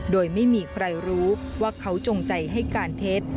โดยไม่มีใครรู้ว่าเขาจงใจให้การเท็จ